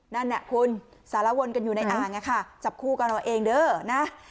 นั่นน่ะคุณสารวนกันอยู่ในอ่างอะค่ะจับคู่กันเอาเองเด้อนะ